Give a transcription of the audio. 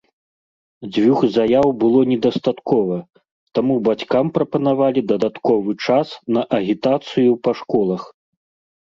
Дзвюх заяў было недастаткова, таму бацькам прапанавалі дадатковы час на агітацыю па школах.